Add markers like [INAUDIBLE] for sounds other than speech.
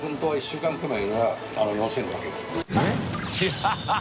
ハハハ [LAUGHS]